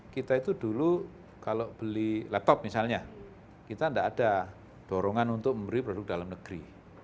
kita itu dulu kalau beli laptop misalnya kita tidak ada dorongan untuk memberi produk dalam negeri